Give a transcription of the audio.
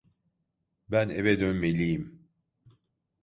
Ben eve dönmeliyim.